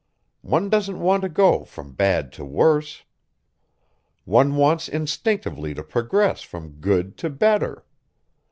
One doesn't want to go from bad to worse. One wants instinctively to progress from good to better.